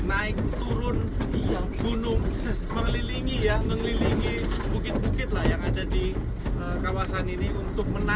naik turun gunung mengelilingi ya mengelilingi bukit bukit lah yang ada di kawasan ini untuk menanam